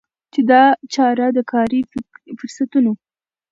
چي دا چاره د کاري فرصتونو